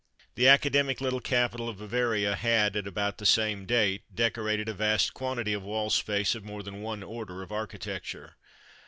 The academic little capital of Bavaria had, at about the same date, decorated a vast quantity of wall space of more than one order of architecture.